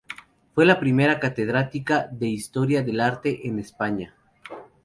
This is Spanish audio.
Fue la primera catedrática de Historia del Arte en España.